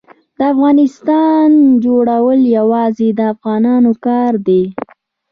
د افغانستان جوړول یوازې د افغانانو کار دی.